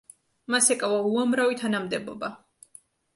მას ეკავა უამრავი თანამდებობა.